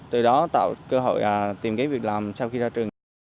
từ đó tạo cơ hội tìm kiếm việc làm sau khi ra trường